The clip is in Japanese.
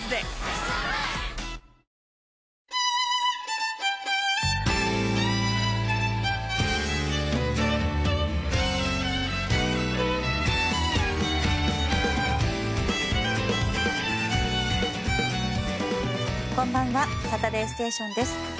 「サタデーステーション」です。